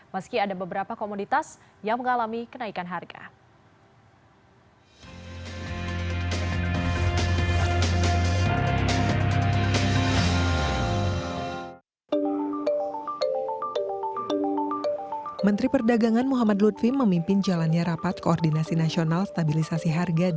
meski ada beberapa komoditas yang mengalami kenaikan harga